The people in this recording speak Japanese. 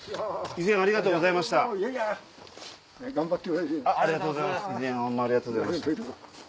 以前はありがとうございました。